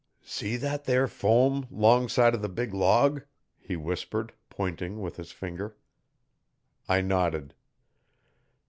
'See thet there foam 'long side o' the big log?' he whispered, pointing with his finger. I nodded.